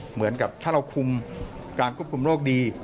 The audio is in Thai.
เหมือนกับถ้าเราคุมการควบคุมโรคดี